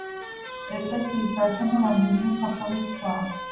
ეკლესიის გარშემო რამდენიმე საფლავის ქვაა.